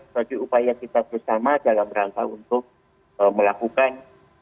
jadi upaya kita bersama dalam rangka untuk melakukan